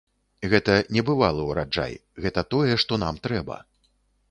Гэта небывалы ўраджай, гэта тое, што нам трэба.